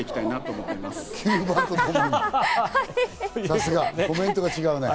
さすが、コメントが違うね。